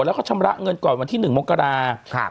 แล้วเขาชำระเงินก่อนวันที่๑มกราศาสตร์